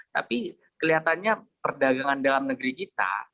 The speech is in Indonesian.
tapi kelihatannya perdagangan dalam negeri kita